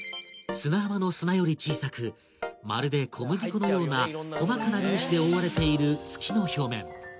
砂浜の砂より小さくまるで小麦粉のような細かな粒子で覆われている月の表面